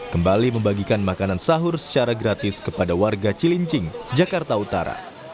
kembali membagikan makanan sahur secara gratis kepada warga cilincing jakarta utara